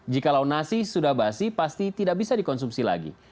jika lau nasi sudah basi pasti tidak bisa dikonsumsi lagi